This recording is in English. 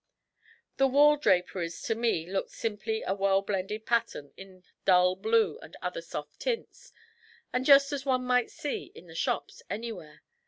The wall draperies, to me, looked simply a well blended pattern in dull blue and other soft tints; just such as one might see in the shops anywhere.